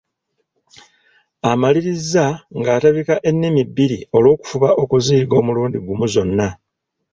Amaliriza ng’atabika ennimi bbiri olw’okufuba okuziyiga omulundi gumu zonna.